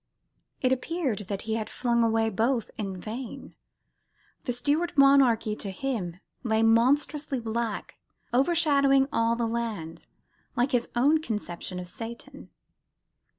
It appeared that he had flung away both in vain. The Stuart monarchy, to him, lay monstrously black, overshadowing all the land, like his own conception of Satan.